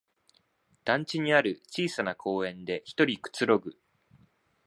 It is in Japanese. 団地にある小さな公園でひとりくつろぐ